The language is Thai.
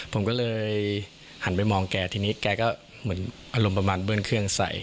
ผมก็เลยหันไปมองแกทีนี้แกก็เหมือนอารมณ์ประมาณเบิ้ลเครื่องใส่